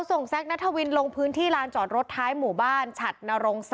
แซคนัทวินลงพื้นที่ลานจอดรถท้ายหมู่บ้านฉัดนรง๓